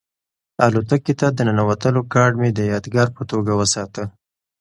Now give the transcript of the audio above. الوتکې ته د ننوتلو کارډ مې د یادګار په توګه وساته.